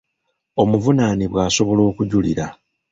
Omuvunaanibwa asobola okujulira.